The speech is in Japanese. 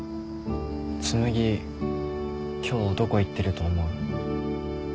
紬今日どこ行ってると思う？